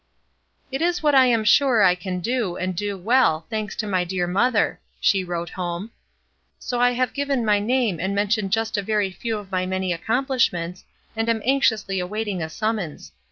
A REBEL 61 "It is what I am siire I can do, and do well, thanks to my dear mother," she wrote home, " so I have given my name and mentioned just a very few of my many accompUshments, and am anxiously awaiting a summons.